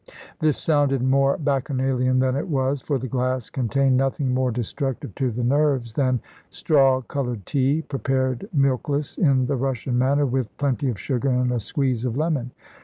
This sounded more bacchanalian than it was, for the glass contained nothing more destructive to the nerves than straw coloured tea, prepared, milkless, in the Russian manner, with plenty of sugar and a squeeze of lemon.